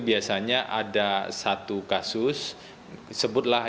biasanya ada satu kasus sebutlah